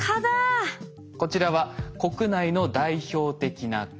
こちらは国内の代表的な蚊。